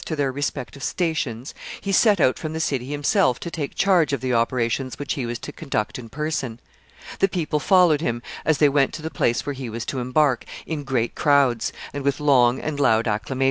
After sending these detachments forth to their respective stations, he set out from the city himself to take charge of the operations which he was to conduct in person. The people followed him, as he went to the place where he was to embark, in great crowds, and with long and loud acclamations.